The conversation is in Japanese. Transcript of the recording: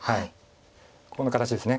ここの形です。